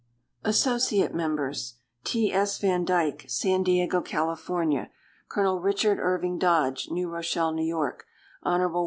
Associate Members. T. S. Van Dyke, San Diego, Cal. Col. Richard Irving Dodge, New Rochelle, N. Y. Hon.